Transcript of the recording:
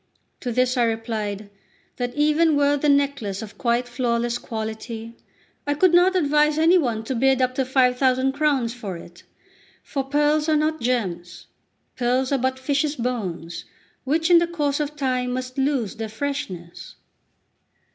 To this I replied, that "even were the necklace of quite flawless quality, I could not advise any one to bid up to five thousand crowns for it; for pearls are not gems; pearls are but fishes' bones, which in the course of time must lose their freshness.